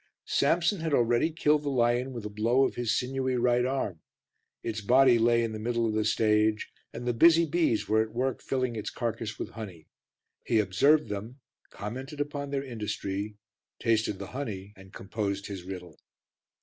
Samson had already killed the lion with a blow of his sinewy right arm; its body lay in the middle of the stage, and the busy bees were at work filling its carcase with honey. He observed them, commented upon their industry, tasted the honey and composed his riddle.